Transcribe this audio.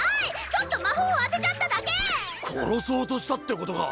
ちょっと魔法を当てちゃっただけ殺そうとしたってことか？